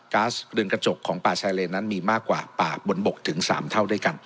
๊าซเรือนกระจกของป่าชายเลนนั้นมีมากกว่าป่าบนบกถึง๓เท่าด้วยกัน